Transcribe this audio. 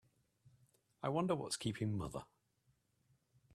I wonder what's keeping mother?